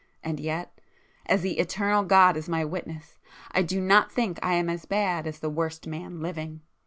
And yet, ... as the eternal God is my witness, ... I do not think I am as bad as the worst man living!